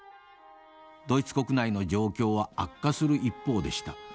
ドイツ国内の状況は悪化する一方でした。